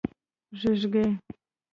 🦔 ږېږګۍ